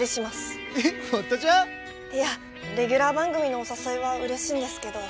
えっ堀田ちゃん？いやレギュラー番組のお誘いはうれしいんですけど